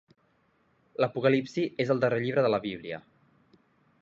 L'Apocalipsi és el darrer llibre de la Bíblia.